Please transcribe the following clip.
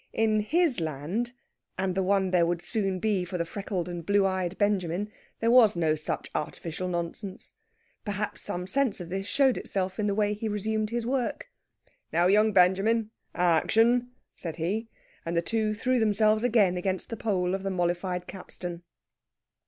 In his land, and the one there would soon be for the freckled and blue eyed Benjamin, there was no such artificial nonsense. Perhaps some sense of this showed itself in the way he resumed his work. "Now, young Benjamin a action!" said he; and the two threw themselves again against the pole of the mollified capstan.